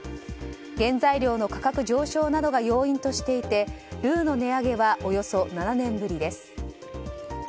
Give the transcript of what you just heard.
原材料の価格上昇などが要因としていてルウの値上げはおよそ７年ぶりです。